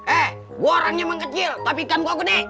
eh gua orangnya emang kecil tapi ikan gua gede